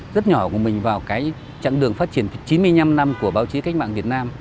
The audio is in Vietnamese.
rất nhỏ của mình vào cái chặng đường phát triển chín mươi năm năm của báo chí cách mạng việt nam